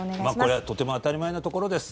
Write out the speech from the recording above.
これとても当たり前なところです。